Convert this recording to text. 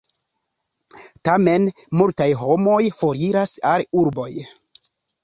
Tamen multaj homoj foriras al urboj.